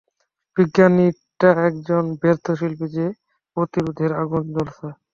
বিজ্ঞানীটা একজন ব্যর্থ শিল্পী যে প্রতিশোধের আগুনে জ্বলছে।